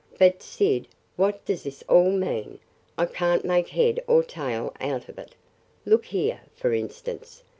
"But, Syd, what does this all mean? I can't make head or tail out of it! Look here, for instance.